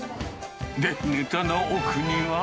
ネタの奥には。